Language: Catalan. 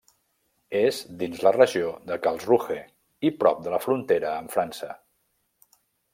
És dins la regió de Karlsruhe i prop de la frontera amb França.